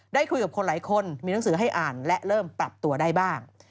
ได้คุยกับคนหลายคนมีหนังสือให้อ่านและเริ่มปรับตัวได้บ้าง